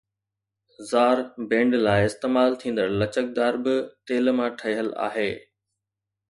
زار band لاءِ استعمال ٿيندڙ لچڪدار به تيل مان ٺهيل آهي